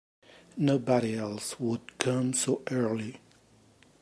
Nobody else would come so early.